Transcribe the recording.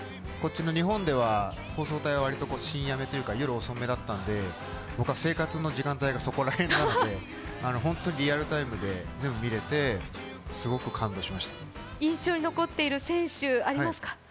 日本では放送帯はわりと深夜というか、夜遅めだったんで、僕は生活の時間帯がそこら辺なので、本当にリアルタイムで印象に残っている選手ありますか？